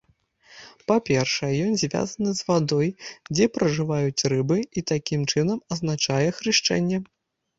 Па першае, ён звязаны з вадой, дзе пражываюць рыбы, і такім чынам азначае хрышчэнне.